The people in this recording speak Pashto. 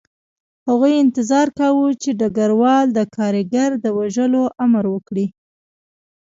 هغوی انتظار کاوه چې ډګروال د کارګر د وژلو امر وکړي